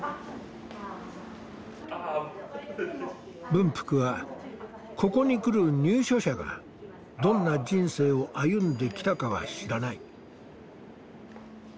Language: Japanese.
文福はここに来る入所者がどんな人生を歩んできたかは知らない。